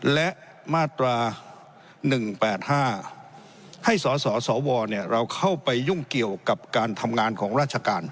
และมาตรา๑๘๕ให้สสวเราเข้าไปยุ่งเกี่ยวกับการทำงานของราชการ